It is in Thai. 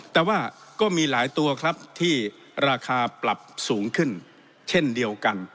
แต่ว่าก็มีหลายตัวครับที่ราคาปรับสูงขึ้นเช่นเดียวกัน